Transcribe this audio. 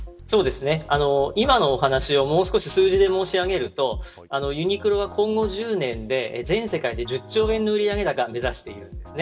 今のお話をもう少し数字で申し上げるとユニクロは今後１０年で全世界で１０兆円の売上高を目指しているんです。